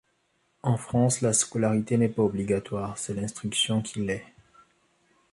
En France, la scolarité n'est pas obligatoire, c'est l'instruction qui l'est.